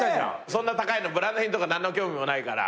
そんな高いのブランド品とか何の興味もないから。